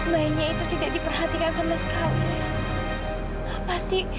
bayinya itu tidak diperhatikan sama sekali